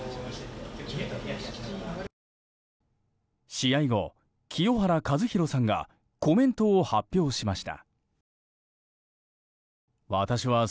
試合後、清原和博さんがコメントを発表しました。